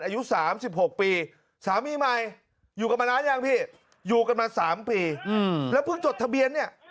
อายุ๓๖ปีสามีใหม่อยู่กันมานานยังพี่อยู่กันมา๓ปีแล้วเพิ่งจดทะเบียนเนี่ย